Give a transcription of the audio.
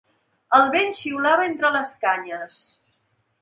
El vent xiulava entre les canyes.